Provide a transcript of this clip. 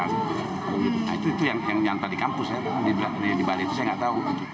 nah itu yang nyantar di kampus saya di bali itu saya nggak tahu